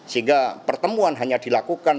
sehingga pertemuan hanya dilakukan